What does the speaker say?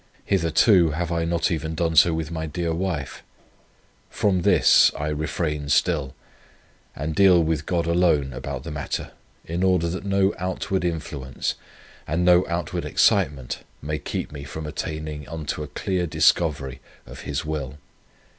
Hitherto have I not even done so with my dear wife. From this I refrain still, and deal with God alone about the matter, in order that no outward influence, and no outward excitement may keep me from attaining unto a clear discovery of His will.